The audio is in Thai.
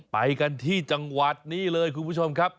ไปกันที่จังหวัดนี่เลยคุณผู้ชมครับ